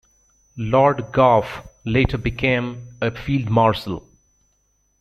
Lord Gough later became a Field Marshal.